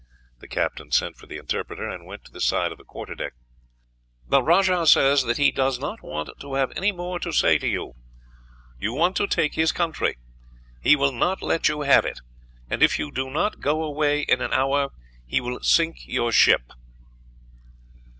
The captain sent for the interpreter, and went to the side of the quarterdeck. "The rajah says that he does not want to have any more to say to you. You want to take his country; he will not let you have it, and if you do not go away in an hour, he will sink your ship."